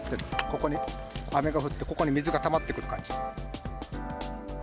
ここに雨が降って、ここに水がたまってくる。